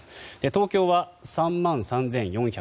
東京は３万３４６６人。